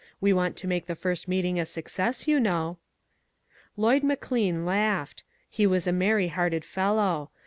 We want to make the first meeting a success, you know?" Lloyd McLean laughed. He was a merry hearted fellow.